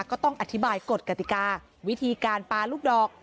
ก็ต้องอธิบายกฎกติกาวิธีการปลาลูกดอก